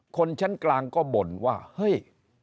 คนชั้นกลางก็บ่นว่าเฮ้ย